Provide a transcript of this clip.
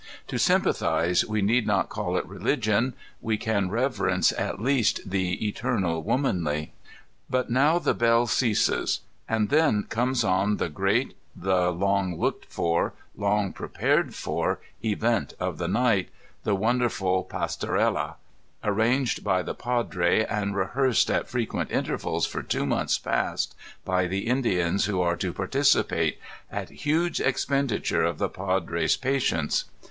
To sympathize, we need not call it religion: we can reverence at least the Eternal Womanly. But now the bell ceases, and then comes on the great, the long looked for, long prepared for event of the night, the wonderful Pastorda, arranged by the Padre, and rehearsed at frequent intervals for two months past by the Indians who are to participate, at huge expenditure of the Padre's pa^ tience.